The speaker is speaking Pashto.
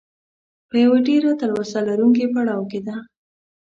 په یوه ډېره تلوسه لرونکي پړاو کې ده.